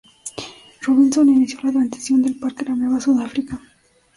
Robinson inició la transición del parque a la nueva Sudáfrica.